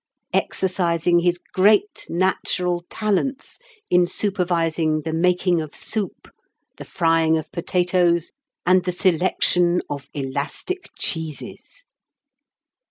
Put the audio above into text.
exercising his great natural talents in supervising the making of soup, the frying of potatoes, and the selection of elastic cheeses.